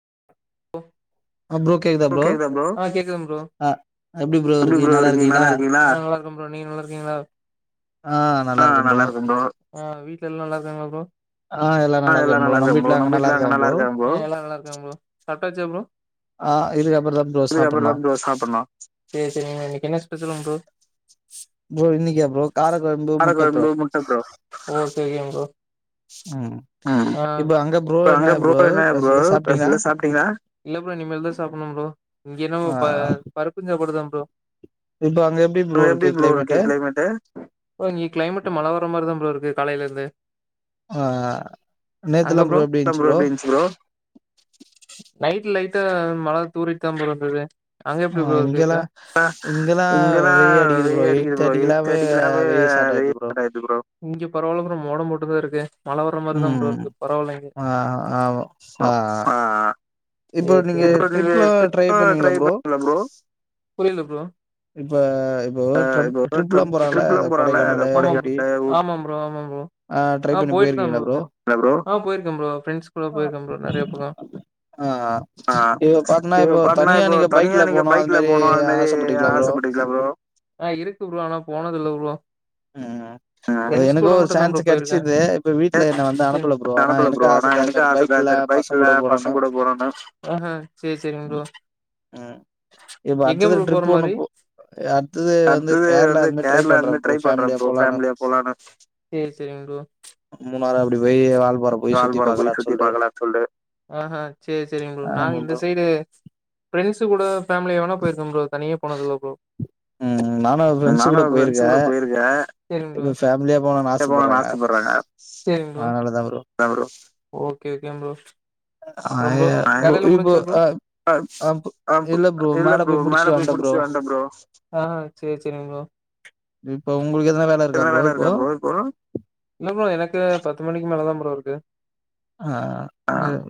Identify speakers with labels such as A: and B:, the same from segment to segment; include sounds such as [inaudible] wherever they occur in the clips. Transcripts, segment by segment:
A: [unintelligible] bro கேக்தா bro ம் கேக்துங் ப்ரோ எப்படி ப்ரோ இருக்கீங்க நல்லா இருக்கீங்களா ம் நீங்க நல்லா இருக்கீங்களா ஆ நல்லா இருக்கும் ப்ரோ ஆ வீட்ல வீட்ல யெல்லா நல்லா இருக்காங்களா ப்ரோ ஆ எல்லா நல்லா இருக்காங்க நம்ம வீட்டுல அங்க நல்லா நல்லா இருக்காங்களா எல்லா நல்லா இருக்காங்க ப்ரோ சாப்டாச்சா ப்ரோ இதுக்கப்புறம் தான் ப்ரோ சாப்பிடனும் சொல்லுங்க ப்ரோ
B: ப்ரோ இன்னைக்கியா ப்ரோ கார குழம்பு முட்டை ப்ரோ
A: [unintelligible]
B: ம் இப்ப அங்க ப்ரோ என்ன ப்ரோ ஸ்பெசல்ல சாப்ட்டீங்கலா
A: சாப்டிங்களா இல்ல ப்ரோ இனிமேல் தான் சாப்டணும் ப்ரோ இங்க என்ன ப்ரோ பருப்புஜனா சாப் தான் ப்ரோ எப்படி ப்ரோ இருக்கு கிளைமேட்டு இங்க கிளைமேட்டு மழ வர்ர மாரிதா ப்ரோ இருக்கு காலையில இருந்து
B: ஆஹ் நேத்தெல்லா ப்ரோ எப்டி இருந்துச்சு ப்ரோ
A: நைட் லைட்டா மழ தூரிட்டுதா ப்ரோ இருந்தது அங்க எப்டி ப்ரோ இருக்கு இப்ப ஆ இங்கெல்லா வெயில் அடிக்குது ப்ரோ எயிட் தேர்ட்டிக்கெல்லாமே வெய்யில் ஸ்டார்ட் ஆயிடுது ப்ரோ இங்க பரவால்ல ப்ரோ மோடம் போட்டுதா இருக்கு
B: உம் ஆஹ் ஆஹ் ஆஹ்
A: [inaudible] [unintelligible] ஆஹ் இப்ப பாத்தீன்னா இப்போ தனியா நீங்க பைக்ல போனு அது மாரி ஆசைப்பட்டீங்களா ப்ரோ ஆஹ் இருக்கு ப்ரோ ஆனா போனதில்ல ப்ரோ
B: உம் எனக்கு ஒரு சான்ஸ் கிடைச்சது இப்ப வீட்ல என்ன வந்து அனுப்பல ப்ரோ ஆனா எனக்கு ஆசைதா அது மாரி பைக்ல பசங்க கூட போ
A: பசங்க கூட போறன்ன ஆஹ் ஆஹ் சேர் சேரிங்க ப்ரோ எங்க ப்ரோ போற மாரி அடுத்தது வந்து கேரளா வந்து ட்ரை பண்ற ப்ரோ பேமிலியா போலானு சேர் சேரிங்க ப்ரோ
B: மூணார் அப்படி போய் வாழ்
A: வால்பாற போய் சுத்தி பாக்கலானு சொல்லு ஆஹ் ஆஹ் சேர் சேரிங்க ப்ரோ நாங்க இந்த சைடு பெ பிரண்ட்ஸ் கூட ஃபேமிலியா வேணா போயிருக்கன் ப்ரோ தனியா போனதில்ல ப்ரோ நானு அது ப்ரண்ட்ஸ் கூட போயிருக்க சேரிங்க ப்ரோ தனியா போனுனு ஆசைப்படுறாங்க சேரிங்க ப்ரோ என்ன ப்ரோ ஓகே ஓகேங் ப்ரோ ரொம்போ வேலையெல்லா முடிஞ்ச்சா ப்ரோ ஆ ஆம் இல்ல ப்ரோ மேல போய் முடிச்சிட்டு வண்ட ப்ரோ ஆஹ் சேர் சேரிங்க ப்ரோ உங்களுக்கு எதனா வேல இருக்கா ப்ரோ இப்போ இல்ல ப்ரோ எனக்கு பத்து மணிக்கு மேலதா ப்ரோ இருக்கு
B: ஆஹ் ஆஹ்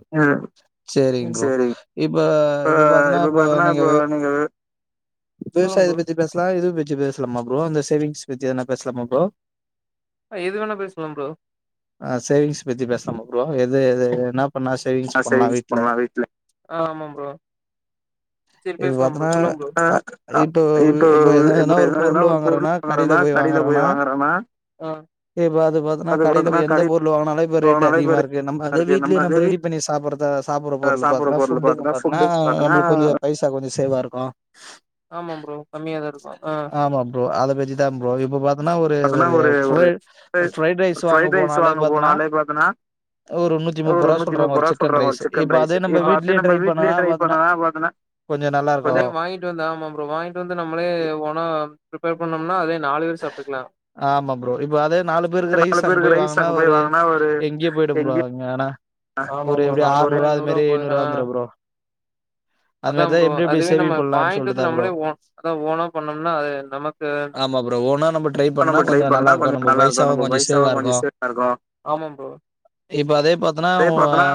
B: சேரிங்க ப்ரோ இப்ப இப்ப பாத்தன்னா இப்ப நீங்க விவ விவசாயத்த பத்தி பேசலா இது பத்தி பேசலாமா ப்ரோ அந்த சேவிங்ஸ் பத்தி எதனா பேசலாமா ப்ரோ ஆஹ் சேவிங்ஸ் பத்தி பேசலாம் ப்ரோ எது எது என்ன
A: ஆஹ் சேவிங்ஸ் பண்ணலா வீட்ல ஆ ஆமா ப்ரோ சேரி பேசலாம் ப்ரோ சொல்லுங்க ப்ரோ ஆ இப்போ எ எதனா ஒரு பொருள் வாங்கறனா கடையில போய் வாங்கறனா
B: எதனா கடையில எந்த பொருள் வாங்கனாலு இப்ப ரேட்டு் அதிகமா இருக்கு நம்ம அதே வீட்லயே நம்ம ரெடி பண்ணி சாப்பிடறதா சாப்பிடற பொருள் பார்த்தனா ஃபுட்டுங்க பார்த்தனா நம்ளுக்கு கொஞ்சோ பைசா கொஞ்சோ சேவா இருக்கு ஆமா ப்ரோ அத பத்திதா ப்ரோ இப்ப பாத்தனா ஒரு ஒரு ஒரு ஃப்ரைட் ரைஸ் வாங்க போனாலே பாத்தனா ஒரு நூத்தி முப்பது ரூபா சொல்றாங்க ஒரு சிக்கன் ரைஸ் இப்ப அதே நம்ம வீட்லயே ட்ரை பண்ணனா பாத்தனா கொஞ்சோ நல்லா இருக்கு
A: கிட்டு வந்த ஆமா ப்ரோ வாய்ண்ட்டு வந்து நம்மளே ஓனா ப்ரிப்பேர் பண்ணோம்னா அதே நா
B: ஆமா ப்ரோ இப்ப அதே நாலு பேருக்கு ரைஸ் அங்க போய் வாங்குனா ஒரு எங்கயோ போயிடும் ப்ரோ அங்க ஆனா
A: ஆமாம் ப்ரோ நானூறு ஐநூறுவா போய்ரு ஆ அதாம் ப்ரோ அதுவே நம்ம வாய்ண்ட்டு வந்து நம்மளே ஓ அதா ஓனா பண்ணோம்னா அது நமக்கு
B: ப்ரோ ஓனா நம்ம ட்ரை பண்ணா கொஞ்சொ நல்லா இருக்கு நம்ம பைசாவு கொஞ்சொ சேவாருக்கு இப்ப அதே பாத் எதனா ஓ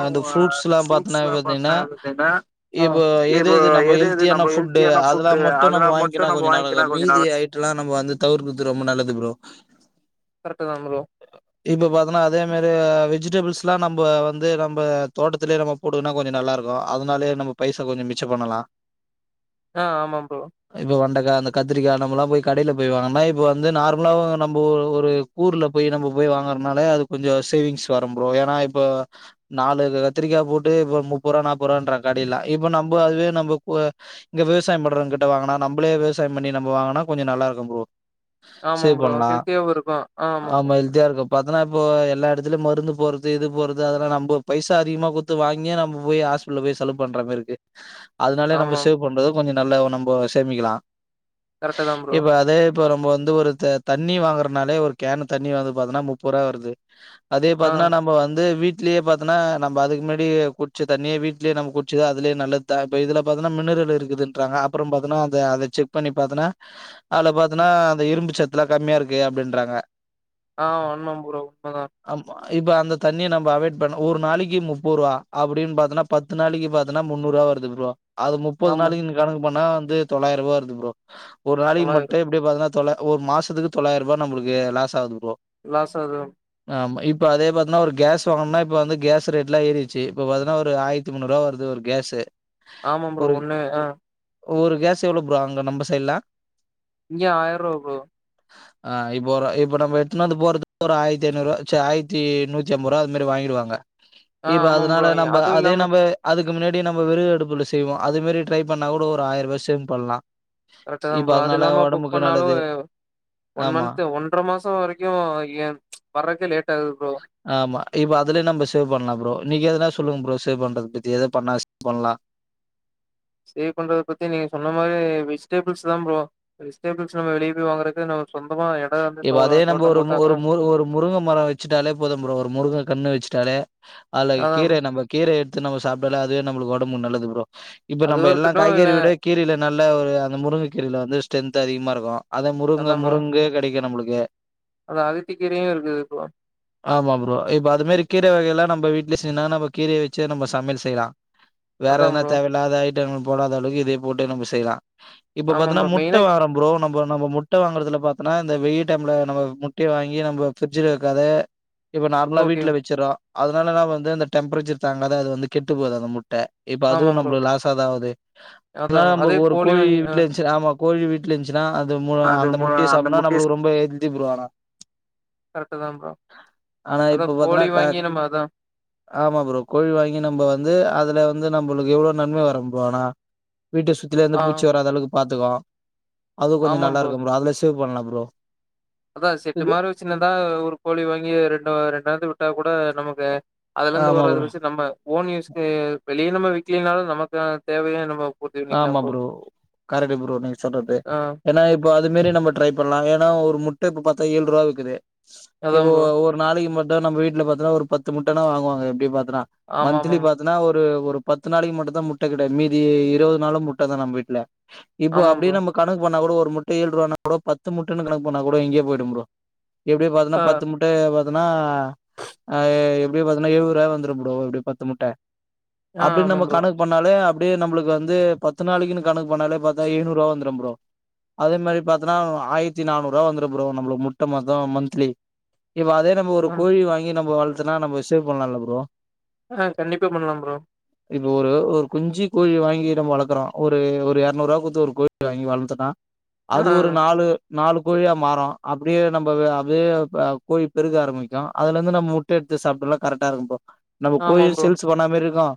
B: அந்த ஃப்ரூட்ஸ்லா பாத்தீனா பாத்தீங்னா இப்ப எது எது நம்ப ஹெல்த்தியான ஃபுட்டு அதுல்லா மட்டும் நம்ம வாய்ங்கினா கொஞ்சொ நல்லதுதா மீதி ஐட்டல்லா நம்ம வந்து தவிர்ப்பது ரொம்ப நல்லது ப்ரோ இப்ப பாத்தன்னா அதே மாரி வெஜிடேபிள் ஆக்சுலா நம்ப வந்து நம்ப தோட்டத்துலே நம்ப போட்டுக்குனா கொஞ்சொ நல்லா இருக்கு அதுனாலயே நம்ம பைசா கொஞ்சொ மிச்சம் பண்ணலா
A: ஆஹ் ஆமா ப்ரோ
B: கா அந்த கத்ரிக்கா நம்மல்லாம் போய் கடைல போய் வாங்குனா இப்போ வந்து நார்மலா நம்போ ஒ ஒரு ஊர்ல போய் நம்ம போய் வாங்கற்னால அது கொஞ்சொ சேவிங்ஸ் வரும் ப்ரோ ஏன்னா இப்போ நாலு கத்திரிக்கா போட்டு இப்போ முப்பருவா நாப்பருவான்றாங்க கடைலா இப்போ நம்ப அதுவே நம்ப கூ இங்க விவசாயம் பண்றவங்கிட்ட வாங்குனா நம்ப்ளே விவசாயம் பண்ணி நம்ம வாங்குனா கொஞ்சொ நல்லாருக் கும் ப்ரோ
A: ஆமாம் ப்ரோ ஹெல்த்தியாவு இருக்கு ஆ ஆமா ப்ரோ
B: பாத்தன்னா இப்போ எல்லா எடத்துலயு மருந்து போர்றது இது போர்றது அதெல்லா நம்போ பைசா அதிகமா குத்து வாங்கியே நம்ம போய் ஹாஸ்பிட்ல போய் செலவு பண்ற மேரி இருக்கு அதுனாலே நம்ம ஷேவ் பண்றது கொஞ் நல்ல நம்போ சேமிக்கெலா இப்போ அதே இப்போ நம்ப வந்து ஒரு த தண்ணி வாங்குறத்னாலே ஒரு கேனு தண்ணி வந்து பாத்தன்னா முப்பருவா வருது அதே பாத்தீன்னா நம்ம வந்து வீட் ட்லயே பாத்தீனா நம்ம அதுக்கு முன்னாடி புட்ச்ச தண்ணி வீட்லயே நம்ம குடிச்சது அதுலயே நல்லது தா இப்ப இதுல பாத்தனா மினரலு இருக்குதுன்றாங்க அப்பறம் பாத்தனா அந்த அத செக் பண்ணி பாத்தனா அத்ல பாத்தன்னா அந்த இரும்புச்சத் இதெல்லா கம்மியா இருக்கு அப்டின்றாங்க
A: ஆஹ் ஆமாம் ப்ரோ ஆ
B: இப்ப அந்த தண்ணிய நம்ப அவாய்ட் பண்ணு ஒரு நாளக்கி முப்பருவா அப்டின் பாத்தன்னா பத்து நாளக்கி பாத்தன்னா முன்னூறுவா வருது ப்ரோ அது முப்பது நாளைக்குனு கணக்கு பண்ணா வந்து தொளாய்ருவா வருது ப்ரோ ஒரு நாளைக் மட் [unintelligible] தொலா ஒரு மாசத்துக்கு தொல்லாயிருவா நம்ளுக்கு லாஸ்ஸாகுது ப்ரோ
A: லாஸ்ஸாகு
B: ஆமா இப்போ அதே பாத்தனா ஒரு கேஸ் வாங்கணுனா இப்ப வந்து கேஸ் ரேட்லா ஏறிரிச்சி இப்ப பாத்தீனா ஒரு ஆயிரத்தி மூண்ணூருவா வருது ஒரு கேஸு
A: ஆமா ப்ரோ ஒண்ணு ஆஹ்
B: ஒரு கேஸ் எவ்ளோ ப்ரோ அங்க நம்ப சைட்லா
A: இங்க ஆயர்ரூவா ப்ரோ
B: ஆ இப்போ ஒரு இப்ப நம்ப எடுத்துன்னு வந்து போட்றதுக்கு ஒரு ஆயிரத்தி ஐநூரூவா சே ஆயிரத்தி நூத்தி ஐம்பது ரூவா அது மாரி வாங்கிடுவாங்க இப்ப அதனால நம்ப அதே நம்ப அதுக் இதுக்கு முன்னாடி நம்ம வெரு அடுப்புல செய்வோ அதுமாரி ட்ரை பண்ணா கூட ஒரு ஆயிர்ருபா சேவ் பண்லா
A: கரெக்ட் தா ப்ரோ அது அது இல்லாம புக் பண்ணாலு ஒன் மன்ந்த் ஒன்ற மாசோ வரைக்கு ஏ வர்றக்கே லேட் ஆகுது ப்ரோ ஆ
B: பண்றத பத்தியே ஏதா பண்ணா சேவ் பண்லா
A: சேவ் பண்றத பத்தி நீங்க சொன்னா மாரி வெஜிடேபிள்ஸ் தா ப்ரோ வெஜிடேபிள்ஸ் நம்ம வெளியே போய் வாங்குறது நமக்
B: இப்ப அதே நம்ப ஒரு மு ஒரு முரு ஒரு முருங்க மரோ வச்சுட்டாலே போதும் ப்ரோ ஒரு முருங்க கண்ணு வெச்சு ட்டாலே அதுல கீரை நம்ப கீரை எ து நம்ம சாப்ட்டாலே அதுவே நம்முளுக்கு ஒடம்புக்கு நல்லது ப்ரோ இப்ப நம்ப எல்லா காய்கறி விட கீரைல நல்ல ஒரு அந்த முருங்க கீரைல வந்து ஸ்ட்ரென்த் து அதிகமா இருக்கு அத முருங்க முருங்கு கட் ங்கே நம்புளுக்கு ஆமா ப்ரோ இப்ப அது மாரி கீர வகையல்லா நம்ப வீட்லே செய்ந்தா நம்ப கீரைய வெச்சே நம்ப சமையல் செய்லா வேற எதுனா தேவையில்லாத ஐட்டமும் போடாத அளவுக்கு இதே போட்டு நம்ப செய்லா இப்ப பாத்தன்னா முட்ட வாங்குறோ ப்ரோ நம்போ நம்போ முட்ட வாங்குறதுல பாத் தன்னா இந்த வெயில் டைம்ல நம்ப முட்டைய வாங்கி நம்ப ஃபிரிட்ஜில வெக்காத இப்ப நார்மலா வீட்ல வெச்சிட்றோ அதனாலதா வந்து அந்த டெம்ப்ரேச்சர் தாங்காத அது வந்து கெட்டு போது அந்த முட்ட இப்ப அதுவு நம்பளுக்கு லாஸாதா ஆவுது அதனால நம்ம ஒரு கோழி வீடல இருந்துச்சு ஆமா கோழி வீட்ல இருந்துச்சு னா அது மு அந்த முட் ட்டம்னா நம்ளுக்கு ரொம்ப ஹெல்த்தி ப்ரோ ஆனா ஆனா இப்ப பாத்தனா க ஆமா ப்ரோ கோழி வாங்கி நம்ம வந்து அதுல வந்து நம்பளுக்கு எவ்ளோ நன்மை வரும் ப்ரோ ஆனா வீட்டு சுத்திலு எந்த பூச்சி வராத அளவுக்கு பாத்துக்கு அதுவு கொஞ்சோ நல்லா இருக்கு ப்ரோ அதுல இப்ப பண்லா ப்ரோ
A: அதான் செட்டு மாரி சின்னதா ஒரு கோழி வாங்கி ரெண்டு ரெண்டாந்து விட்டா கூட நமக்கு அதுல இருந்து வர்றத வச்சு நம்ம ஓன் யூஸ்க்கு வெளிய நம்ம விக்கலனாலும் நமக்கு தேவையும் நம்ம
B: ஆமா ப்ரோ கரெட்டு ப்ரோ நீங் சொல்றது ஏன்னா இப்போ அது மாரி நம்ம ட்ரை பண்ணலாம் ஏன்னா ஒரு முட் ட இப்ப பாத்தா ஏழு ரூவா விக்குது இவோ ஒரு நாளைக்கு மட் நம்ம வீட்ல பாத்தனா ஒரு பத்து முட்டனா வாங்குவங்க எப்டி பாத் தன்னா மந்த்லி பாத்தன்னா ஒரு ஒரு பத்து நாளைக்கு மட்டுந்தான் முட்டை கடை மீதி இருவது நாளும் முட்டதான் நம்ப வீட்ல இப்போ அப்டியே நம்ம கணக்கு பண்ணா கூட ஒரு முட்டை ஏழு ரூபான்னா கூட பத்து முட்டன்னு கணக்கு பன்னா கூட எங்கயோ போயிடும் ப்ரோ எப்டி பாத்தன்னா பத்து முட்டைய [unintelligible] அதனா ஆஹ் எப்டி பாத்தாலும் எழுபது ரூபா வந்துரும் ப்ரோ பத்து முட்ட அப்டின்னு நம்ம கணக்கு பண்ணாலே அப் ப்டியே நம்பளுக்கு வந்து பத்து நாளைக்குன்னு கணக்கு பண்ணாலே பாத்தா எழுநூறுபா வந்துரும் ப்ரோ அதே மாரி பாத்தனா ஆயிரத்தி நானூறுபா வந்துரும் ப்ரோ நம்பளுக்கு முட்ட மதம் மந்த்லி இப்போ அதே நம்ப ஒரு கோழி வாங்கி நம்ப வளத் தனா நம்ப சேவ் பண்லால்ல ப்ரோ
A: ஆஹ் கண்டிப்பா பண்லாம் ப்ரோ
B: இப்ப ஒரு ஒரு குஞ்சி கோழி வாங்கி நம்ப வளக் றோம் ஒரு ஒரு எரநூரூவா கொடுத்து ஒரு கோழி வாங்கி வளந்த்தன்னா அது ஒரு நாலு நாலு கோழியா மாறும் அப்டியே நம்ப வே அப்டியே அ கோழி பெருக ஆரம்பிக்கும் அதுல இருந்து நம்ம முட்டை எடுத்து சாப்ட்டாலே கரெக்டா இருக்கும் ப்ரோ நம்ம கோழியும் சேல்ஸ் பண்ண மாரி இருக்கும்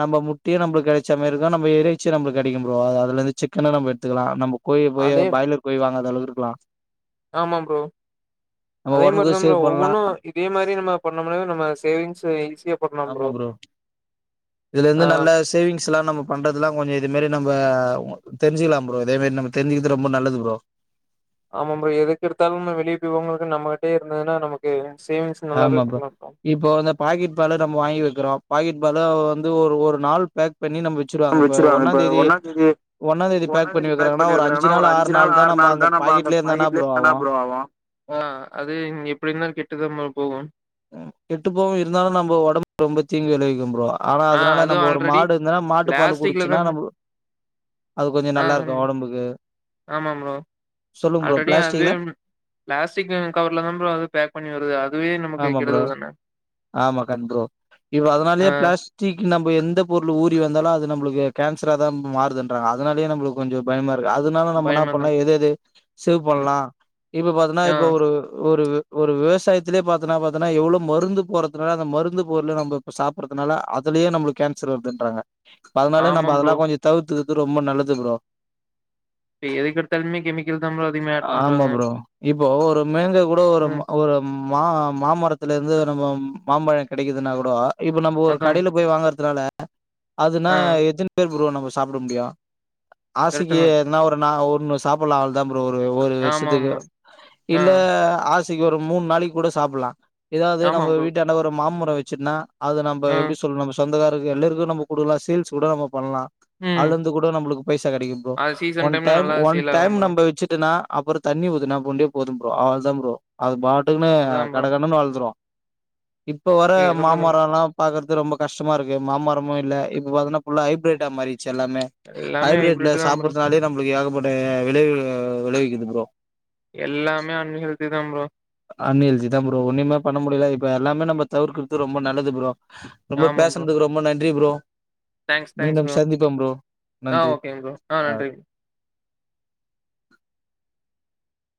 B: நம்ப முட்டையே நம்பளுக்கு கிடைச்சாமாறி இருக்கும் நம்ப இற ச்சு நம்பளுக்கு கிடைக்கும் ப்ரோ அது அதுல இருந்து சிக்கனும் நம்ப எடுக்கலாம் நம்ப கோயி போயி பாயலர் கோயி வாங்காத அளவு இருக்களா
A: ஆமாாம் ப்ரோ அதே மாரிதான் பரோ ஒவ்வொன்னும் இதே மாரி நம்ம பண்ண நம சேவிங்ஸ்
B: ஆமா ப்ரோ இதுல இருந்து நல்ல சேவிங்ஸ் எல்லாம் நம்ம பண்றதுல்லாம் கொஞ்சம் இதுமாரி நம்ம நம்ப தெரிஞ்சுக்கலா ப்ரோ இதே மேரி நம்ம தெரிஞ்சுக்கிறது ரொம்ப நல்லது ப்ரோ
A: ஆமா ப்ரோ எதுக்கு எடுத்தாலும் வெளியே போிவங்களுக்கு நம்மகிட்டே இருந்ததுன்னா நமக்கு
B: ஆமாப்பா இப்போ வந்த பாக்கெட் பால நம்ம வாங்கி வைக்கிறோம் பாக்கெட் பால வந்து ஒரு ஒரு நாலு பேக்
A: வச்சிருவாங்க இப்ப ஒன்னாந் தேதி ஒன்னாந் தேதி பேக் பண்ணிருக்கறாங்கன்னா ஒரு அஞ்சு நாள் ஆறு நாள் தான் நம்ம அந்த பாக்கெட்லயே [unintelligible] ஆஆஅது எப்டி இருந்து கெட்டுதா போகும்
B: கெட்டு போகும் இருந்தாலும் நம்ம உடம்பு ரொம்பத்தீங்கு விளைவிக்கும் ப்ரோ ஆனா அதனால நம்ப ஒரு மாடு இருந்தன்னா மாட்டு பால் குடிச்சுன்னா நம்ம அது கொஞ்சம் நல்லா இருக்கும் உடம்புக்கு
A: ஆமா ப்ரோ ஆல்ரெடி அதுவே பிளாஸ்டிக் கவர்ல தான் ப்ரோ அது பேக் பண்ணி வருது அதுவே
B: ஆமா ப்ரோ ஆமா கண் ப்ரோ இப்ப அதனாலயே பிளாஸ்டிக் நம்ம எந்த பொருள் ஊறி வந்தாலு அது நம்பளுக்கு இது கேன்சரா தான் மாறுதுன்றாங்க அதனாலே நம்பளுக்கு கொஞ்சம் பயமாறி அதனால நம்பன்னா பண்லா எத எது சேவ் பண்லா இப்ப பாத்தன்னா இப்ப ஒரு ஒரு ஒரு விவசாயத் இதுலயே பாத்தன்னா பாத்தன்னா எவ்வளவு மருந்து போறதுனால அந்த மருந்து பொருல நம்ம இப்ப சாப்படுறதுனால அதுலயே நம்மளுக்கு கேன்சர் வருதுன்றாங்க அதனால நம்ப அதெல்லா கொஞ்ச தவிர்த்து அது ரொம்ப நல்லது ப்ரோ ஆமா ப்ரோ இப்போ ஒரு மேங்கோ கூட ஒரு ஒரு மா மாமரத்துல இருந்து நம்ம மாம்பழ கிடைக்குதுன்னா கூட இப்ப நம்ம ஒரு கடையில போய் வாங்குறதுனால அ அதுனா எதுன்பே ப்ரோ நம்ம சாப்ட முடியு ஆசிக்கு எனா ஒரு நாள் ஒரு இன்னு சாப்புள்ள அவ்ளதா ஒரு ஒரு வருஷத்துக்கு இல்ல ஆச [unintelligible] மூணு நாளைக்கு கூட சாப்புலாம் ஏதாவது நம்ம வீட்டான்ட ஒரு மாம் வச்சிருன்னா அது நம்ப எப்டி சொல்றோம் நம் சொந்தக்கார [unintelligible] எல்லருக்கும் நம்ம கொடுக்கலாம் சேல்ஸ் கூட நம்ம பண்லா அழுந்து கூட நம்மளுக்கு பைசா கிடைக்கும் bro one time one time நம்ம வச்சுட்டுனா அப்புறம் தண்ணி ஊத்துனா பொண்டே போதும் ப்ரோ அவ்ள தான் ப்ரோ அது பாட்டுக்குனு கடகடன்னு வல்துறு இப்ப வர மாமரல்லா பாக்கற் ரொம்ப கஷ்டுமாருக்கு மாம்மரமு இல்ல இப்ப பாத்தன்னா ஃபுல்லா ஹைப்ரேட்டா மாரி செல்லாமே ஹைபிரேட்ல சாப்புற்துனாலே நம்புளுக்கு ஏகபட் விளைவு விளைவிக்கிது புரோ
A: எல்லாமே அன் ஹெல்த்தி தாம் ப்ரோ
B: அன்எல்ஜிதா ப்ரோ ஒன்னுமே பண்ண முடியில இப்ப எல்லாமே நம்ப தவிர்க்குற்து ரொம்ப நல்லது புரோ ரொம்பொ பேசன்துக் ரொம்ப நன்றி புரோ
A: தேங்க்ஸ் தேங்க்ஸ் ரோ அ ஓக்கேங் ப்ரோ அ நன்றி்